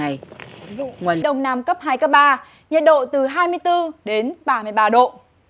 với trường này nguồn đồng nam cấp hai cấp ba nhiệt độ từ hai mươi bốn đến ba mươi ba độ